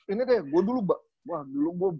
ini deh gue dulu wah dulu